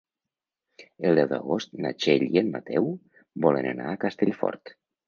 El deu d'agost na Txell i en Mateu volen anar a Castellfort.